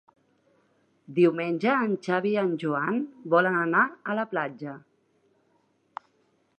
Diumenge en Xavi i en Joan volen anar a la platja.